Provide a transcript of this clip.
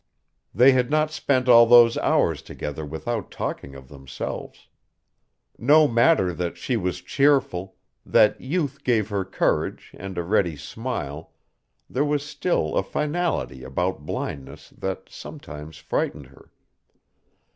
They had not spent all those hours together without talking of themselves. No matter that she was cheerful, that youth gave her courage and a ready smile, there was still a finality about blindness that sometimes frightened her.